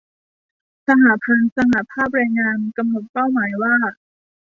สหพันธ์สหภาพแรงงาน กำหนดเป้าหมายว่า